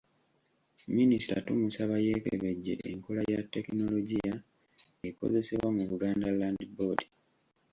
Minisita tumusaba yeekebejje enkola ya ttekinologiya akozesebwa mu Buganda Land Board.